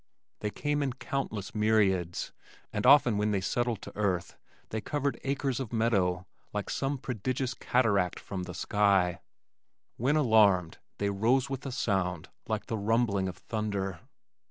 They came in countless myriads and often when they settled to earth they covered acres of meadow like some prodigious cataract from the sky. When alarmed they rose with a sound like the rumbling of thunder.